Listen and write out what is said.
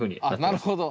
なるほど！